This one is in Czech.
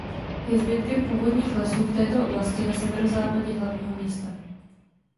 Je zbytkem původních lesů v této oblasti na severozápadě hlavního města.